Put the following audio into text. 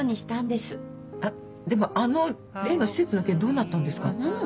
でもあの例の施設の件どうなったんですか？